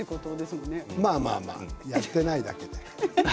まあまあまあやっていないだけで。